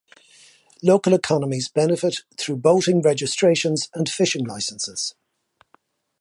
Local economies benefit through boating registrations and fishing licenses.